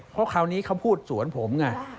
เพราะคราวนี้เขาพูดสวนผมไง